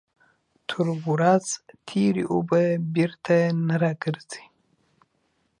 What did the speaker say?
تر ورخ تيري اوبه بيرته نه راگرځي.